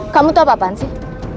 kamu tuh apa apaan sih